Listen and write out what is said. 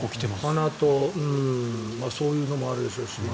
鼻とそういうのもあるでしょうし。